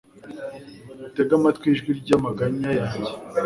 utege amatwi ijwi ry'amaganya yanjye